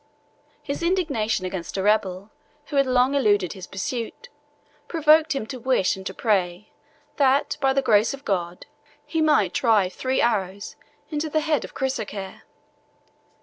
His indignation against a rebel who had long eluded his pursuit, provoked him to wish and to pray, that, by the grace of God, he might drive three arrows into the head of Chrysochir.